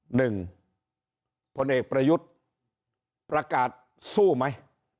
หนึ่งพลเอกประยุทธ์ประกาศสู้ไหม